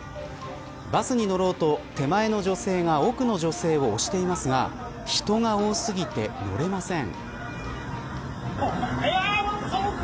バスに乗ろうと手前の女性が奥の女性を押していますが人が多すぎて乗れません。